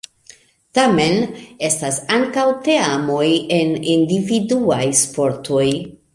Tamen, estas ankaŭ teamoj en individuaj sportoj.